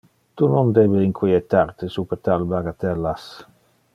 Tu non debe inquietar te super tal bagatellas.